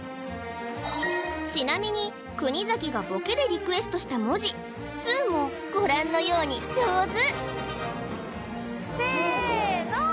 ちなみに国崎がボケでリクエストした文字「スー」もご覧のように上手せーの！